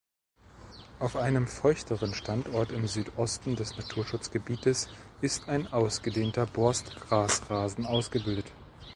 Auf einem feuchteren Standort im Südosten des Naturschutzgebietes ist ein ausgedehnter Borstgrasrasen ausgebildet.